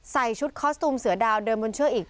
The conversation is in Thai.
ใส่ชุดคอสตูมเสือดาวเดินบนเชือกอีก